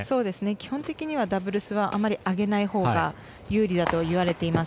基本的にはダブルスはあまり上げないほうが有利だといわれています。